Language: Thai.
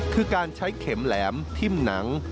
คือการใช้เข็มแหลมทิ้มหนัง